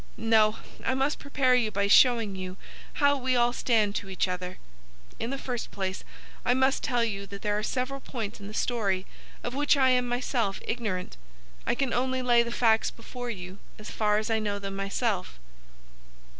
No, I must prepare you by showing you how we all stand to each other. In the first place, I must tell you that there are several points in the story of which I am myself ignorant. I can only lay the facts before you as far as I know them myself.